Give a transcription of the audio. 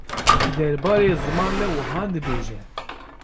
di derbarê ziman de wiha dibêje.